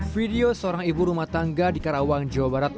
video seorang ibu rumah tangga di karawang jawa barat